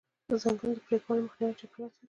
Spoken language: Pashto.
د ځنګلونو د پرې کولو مخنیوی چاپیریال ساتي.